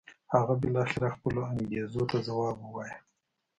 هغه بالاخره خپلو انګېزو ته ځواب و وایه.